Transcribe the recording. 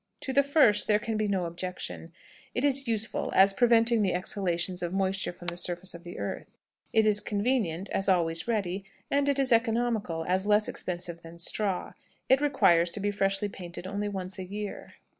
To the first there can be no objection: it is useful, as preventing the exhalations of moisture from the surface of the earth; it is convenient, as always ready; and it is economical, as less expensive than straw. It requires to be fresh painted only once a year."